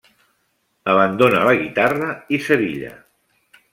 Abandona la guitarra i Sevilla.